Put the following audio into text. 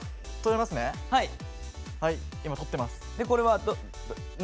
今撮ってます。